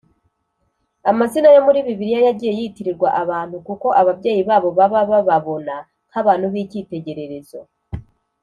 amazina yo muri Bibiliya yagiye yitirirwa abantu kuko ababyeyi babo baba bababona nkabantu bikitegererezo.